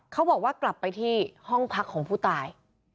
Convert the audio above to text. เขาบอกว่ากลับไปที่ห้องพักของผู้ตาย